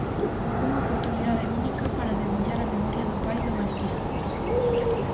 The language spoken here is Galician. Unha oportunidade única para debullar a memoria do pai do galeguismo.